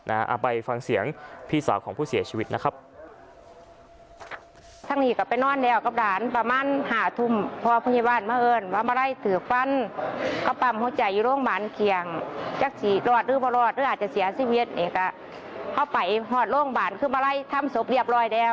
เอาไปฟังเสียงพี่สาวของผู้เสียชีวิตนะครับ